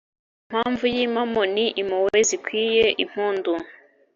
Impamvu y'impamo ni impuhwe zikwiye impundu